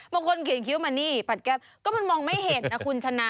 บางคนเขียนคิ้วมานี่ปัดแก้มก็มันมองไม่เห็นนะคุณชนะ